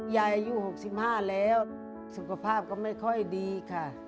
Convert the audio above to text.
อายุ๖๕แล้วสุขภาพก็ไม่ค่อยดีค่ะ